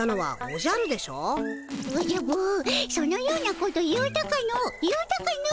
おじゃぶそのようなこと言うたかの言うたかの。